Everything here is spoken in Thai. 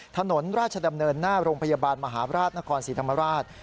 ถนนราชดำเนินณโรงพยาบาลมหาราชณสิริธรรมราช